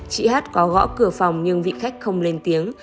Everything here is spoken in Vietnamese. chị hát có gõ cửa phòng nhưng vị khách không lên tiếng